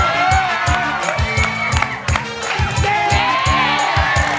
นักศึกษา